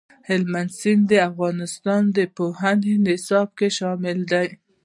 هلمند سیند د افغانستان د پوهنې نصاب کې شامل دي.